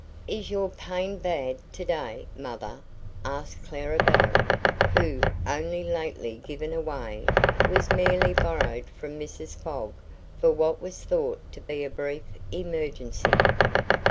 "Is your pain bad today, mother," asked Clara Belle, who, only lately given away, was merely borrowed from Mrs. Fogg for what was thought to be a brief emergency.